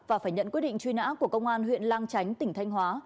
và phải nhận quyết định truy nã của công an huyện lang chánh tỉnh thanh hóa